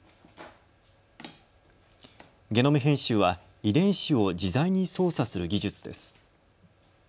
ゲノム編集は遺伝子を自在に操作する技術です。